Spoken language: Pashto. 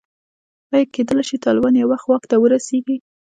ایا کېدلای شي طالبان یو وخت واک ته ورسېږي.